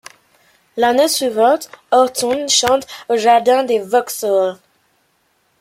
L'année suivante, Horton chante aux jardins du Vauxhall.